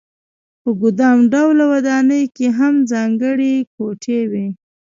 په ګدام ډوله ودانۍ کې هم ځانګړې کوټې وې.